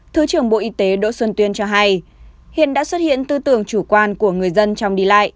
thứ trưởng bộ y tế đỗ xuân tuyên cho hay hiện đã xuất hiện tư tưởng chủ quan của người dân trong đi lại